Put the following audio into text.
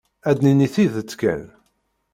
Ad d-nini tidet kan.